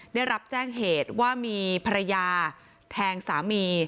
ได้รับแจ้งเหตุว่ามีภรรยาแทงสามี